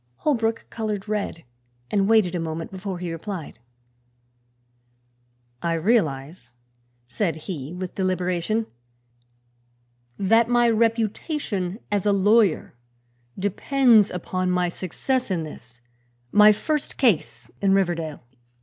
Holbrook colored red and waited a moment before he replied. "I realize," said he, with deliberation, "that my reputation as a lawyer depends upon my success in this, my first case in Riverdale.